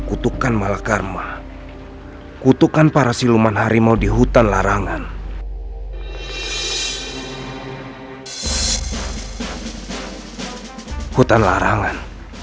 kutukan malakarma kutukan para siluman harimau di hutan larangan hutan larangan